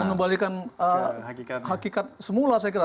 mengembalikan hakikat semula saya kira